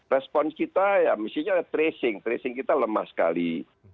respon kita ya mestinya tracing tracing kita lemah sekali